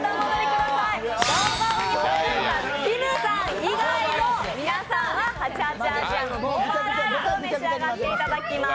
きむさん以外の皆さんは８８亜細亜のトーバーライスを召し上がっていただきます。